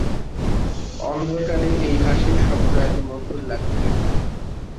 অন্ধকারে এই হাসির শব্দ এত মধুর লাগছে!